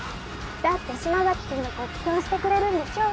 だって島崎君がごちそうしてくれるんでしょ。